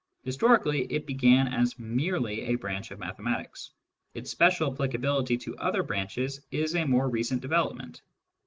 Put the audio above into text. Historically, it began as merely a branch of mathematics : its special applicability to other branches is a more recent development.